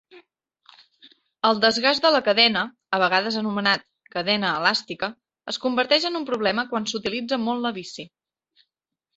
El desgast de la cadena, a vegades anomenat "cadena elàstica", es converteix en un problema quan s'utilitza molt la bici.